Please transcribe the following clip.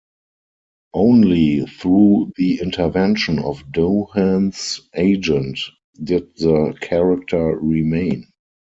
Only through the intervention of Doohan's agent did the character remain.